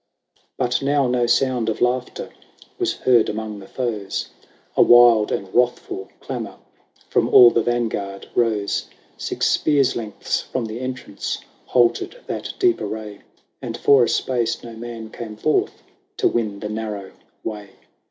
But now no sound of laughter Was heard among the foes. HORATIUS. 65 A wild and wrathful clamour From all the vanguard rose. Six spears' lengths from the entrance Halted that deep array, And for a space no man came forth To win the narrow way.